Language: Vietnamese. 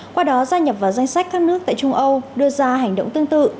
qua đó gia nhập vào danh sách các nước tại trung âu đưa ra hành động tương tự